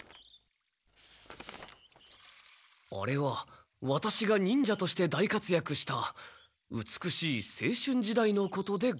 「あれはワタシが忍者として大活やくした美しい青春時代のことでございます。